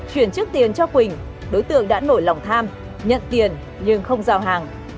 chuyển trước tiền cho quỳnh đối tượng đã nổi lòng tham nhận tiền nhưng không giao hàng